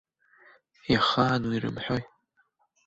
Иахаану ирымҳәои.